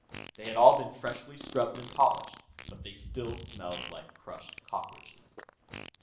They had all been freshly scrubbed and polished, but they still smelled like crushed cockroaches.